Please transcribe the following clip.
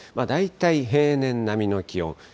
大体、平年並みの気温。